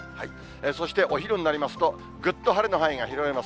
そしてお昼になりますと、ぐっと晴れの範囲が広がります。